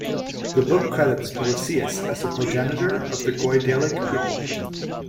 The book credits Milesius as the progenitor of the Goidelic people.